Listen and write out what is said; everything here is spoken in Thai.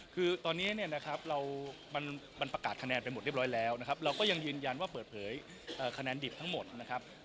คือตอนนี้เนี่ยนะครับเรามันประกาศคะแนนไปหมดเรียบร้อยแล้วนะครับเราก็ยังยืนยันว่าเปิดเผยคะแนนดิบทั้งหมดนะครับ